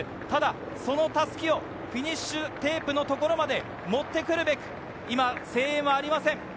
ただその襷をフィニッシュテープのところまで持って来るべく声援はありません。